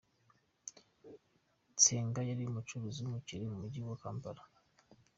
Nsenga yari umucuruzi w’umukire mu Mujyi wa Kampala.